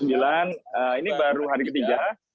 sembilan belas sembilan ini baru hari ketiga